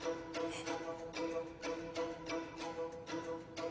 えっ！？